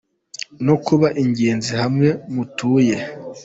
No kuba ingenzi hamwe mutuye